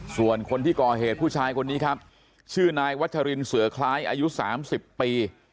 ส่วนคนที่ก่อเหตุผู้ชายคนนี้ครับชื่อนายวัชรินเสือคล้ายอายุ๓๐ปี